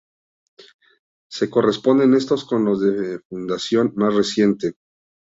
Se corresponden estos con los de fundación más reciente.